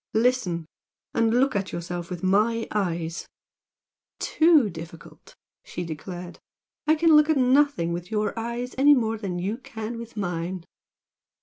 Listen! and look at yourself with MY eyes " "Too difficult!" she declared "I can look at nothing with your eyes any more than you can with mine!"